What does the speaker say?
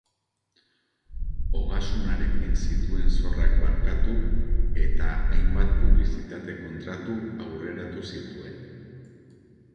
Ogasunarekin zituen zorrak barkatu, eta hainbat publizitate kontratu aurreratu zituen.